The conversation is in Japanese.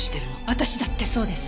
私だってそうです。